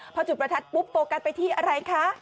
พอจุดประทัดปุ๊บโฟกัสไปที่อะไรคะ